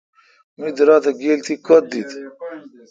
می درا تھ گیل تی کوتھ دیت۔